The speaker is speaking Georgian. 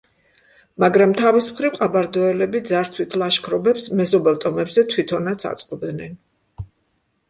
მაგრამ, თავის მხრივ, ყაბარდოელები ძარცვით ლაშქრობებს მეზობელ ტომებზე თვითონაც აწყობდნენ.